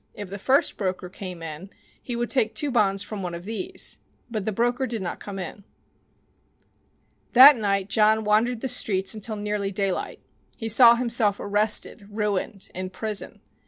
If the first broker came in he would take two bonds from one of these. But the broker did not come in. That night John wandered the streets till nearly daylight. He saw himself arrested, ruined, in prison.